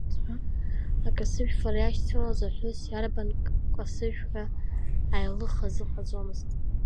Акасыжәфара иашьцылаз аҳәыс иарбан касыжәыз ҳәа аилых азыҟаҵомызт.